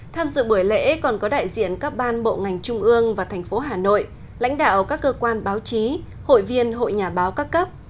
tham dự buổi lễ còn có đại diện các ban bộ ngành trung ương và thành phố hà nội lãnh đạo các cơ quan báo chí hội viên hội nhà báo các cấp